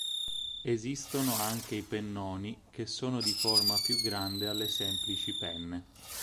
Esistono anche i "pennoni" che sono di forma più grande alle semplici penne.